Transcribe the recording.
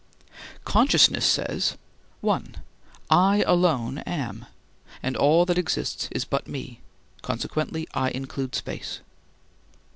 Consciousness says: (1) I alone am, and all that exists is but me, consequently I include space.